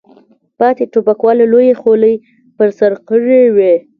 پاتې ټوپکوالو لویې خولۍ په سر کړې وې.